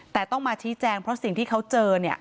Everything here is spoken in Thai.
แต่ต้องมาชี้แจงเพราะสิ่งที่เขาเจอ